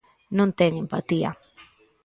Non ten empatía.